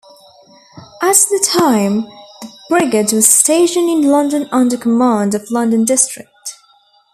At the time, the brigade was stationed in London under command of London District.